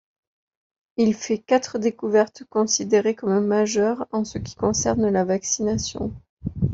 Il fait quatre découvertes considérées comme majeures en ce qui concerne la vaccination.